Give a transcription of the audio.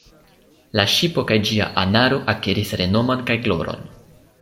La ŝipo kaj ĝia anaro akiris renomon kaj gloron.